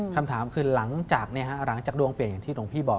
คำถามคือหลังจากนี้ค่ะหลังจากดวงเปลี่ยนอย่างที่หนึ่งพี่บอก